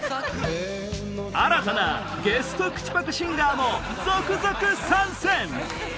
新たなゲスト口ぱくシンガーも続々参戦！